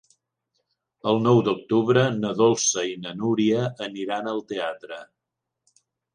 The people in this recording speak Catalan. El nou d'octubre na Dolça i na Núria aniran al teatre.